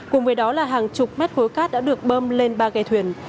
cùng với đó là hàng chục mét khối cát đã được bơm lên ba ghe thuyền